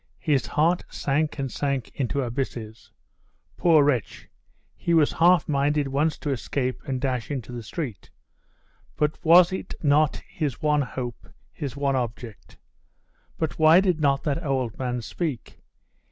His heart sank and sank into abysses! Poor wretch!.... He was half minded once to escape and dash into the street.... but was it not his one hope, his one object?.... But why did not that old man speak?